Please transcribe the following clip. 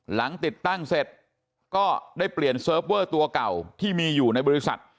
หลังติดตั้งเสร็จก็ได้เปลี่ยนเซิร์ฟเวอร์ตัวเก่าที่มีอยู่ในบริษัท